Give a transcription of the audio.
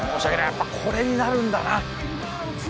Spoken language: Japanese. やっぱこれになるんだな。